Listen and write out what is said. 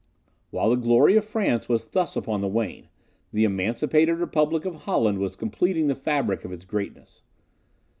While the glory of France was thus upon the wane, the emancipated republic of Holland was completing the fabric of its greatness.